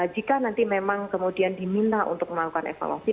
jika nanti memang kemudian diminta untuk melakukan evaluasi